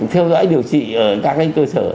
theo dõi điều trị ở các cái cơ sở